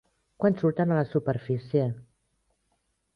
Quan surten a la superfície?